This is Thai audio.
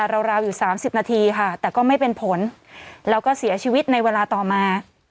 ราวอยู่๓๐นาทีค่ะแต่ก็ไม่เป็นผลแล้วก็เสียชีวิตในเวลาต่อมา